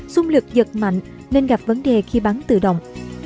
xung lực giật mạnh nên gặp vấn đề khi bắn tự động